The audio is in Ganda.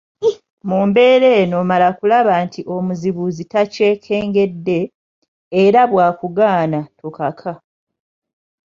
Mu mbeera eno; mala kulaba nti omuzibuzi takyekengedde, era bw’akugaana tokaka